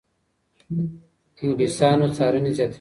انګلیسانو څارنې زیاتې کړې.